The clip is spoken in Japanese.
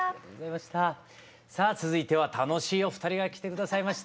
さあ続いては楽しいお二人が来て下さいました。